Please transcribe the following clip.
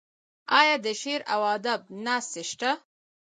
آیا د شعر او ادب ناستې شته؟